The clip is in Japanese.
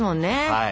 はい。